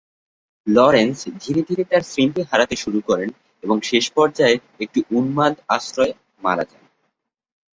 Lawrence ধীরে ধীরে তার স্মৃতি হারাতে শুরু করেন এবং শেষ পর্যন্ত একটি উন্মাদ আশ্রয়ে মারা যান।